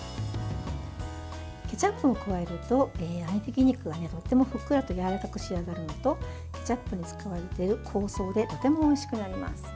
ケチャップを加えると合いびき肉が、とてもふっくらとやわらかく仕上がるのとケチャップに使われている香草でとてもおいしくなります。